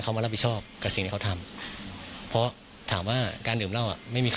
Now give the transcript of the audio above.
คุณมานี่